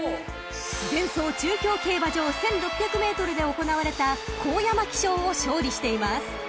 ［前走中京競馬場１，６００ｍで行われたこうやまき賞を勝利しています］